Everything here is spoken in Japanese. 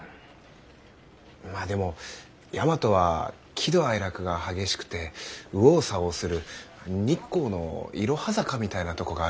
まあでも大和は喜怒哀楽が激しくて右往左往する日光のいろは坂みたいなとこがあるし。